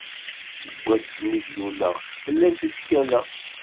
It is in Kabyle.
Seg wsmi i d-luleɣ, fell-ak i ttkaleɣ.